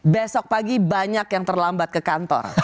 besok pagi banyak yang terlambat ke kantor